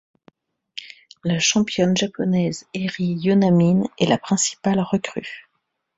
La championne japonaise Eri Yonamine est la principale recrue.